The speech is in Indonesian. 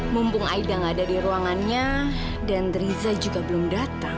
mumpung aida nggak ada di ruangannya dan riza juga belum datang